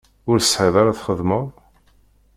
Ur tesεiḍ ara txedmeḍ?